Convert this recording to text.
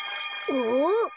お。